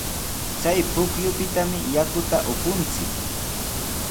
Chay pukyupitami yakuta upunchik.